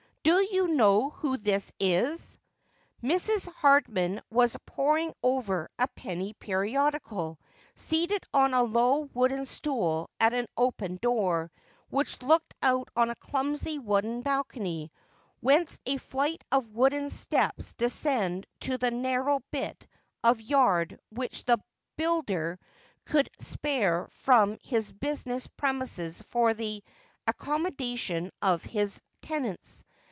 Do you know who this isV Mrs. Hardman was poring over a penny periodical, seated on a low wooden stool at an open door, which looked out on a clumsy wooden balcony, whence a flight of wooden steps descended to the narrow bit of yard which the builder could spare from his business premises for the accommodation of his tenants.